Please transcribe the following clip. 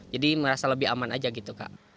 jadi merasa lebih aman aja gitu kak